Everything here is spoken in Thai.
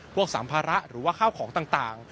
สัมภาระหรือว่าข้าวของต่าง